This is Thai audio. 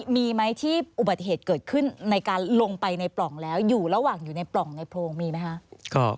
มีไหมที่อุบัติเหตุเกิดขึ้นในการลงไปในปล่องแล้วอยู่ระหว่างอยู่ในปล่องในโพรงมีไหมคะ